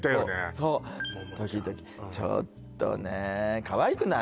そう時々ちょっとねかわいくない？